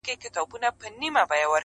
ساقي هوښیار یمه څو چېغي مي د شور پاته دي!